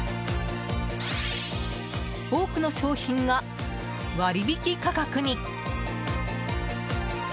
多くの商品が割引価格に！